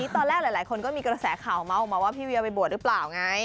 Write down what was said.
ตอนแรกหลายคนก็มีกระแสข่าวเมาส์ออกมาว่าพี่เวียไปบวชหรือเปล่าไง